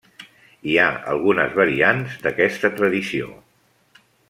Hi ha algunes variants d'aquesta tradició.